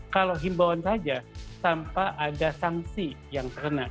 kalau himbawan saja sampai ada sanksi yang terkena